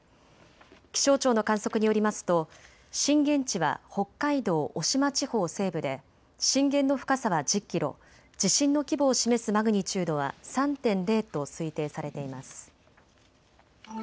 気象庁の観測によりますと震源地は北海道渡島地方西部で震源の深さは１０キロ、地震の規模を示すマグニチュードは３．０と推定されています。